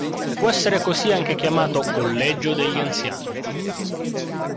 Può essere così anche chiamato "collegio degli anziani".